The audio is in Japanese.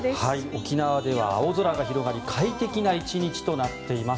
沖縄では青空が広がり快適な１日となっています。